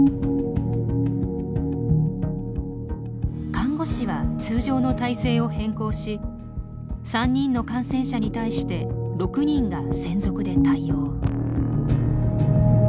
看護師は通常の体制を変更し３人の感染者に対して６人が専属で対応。